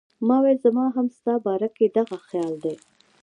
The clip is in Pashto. ما وې زما هم ستا پۀ باره کښې دغه خيال دی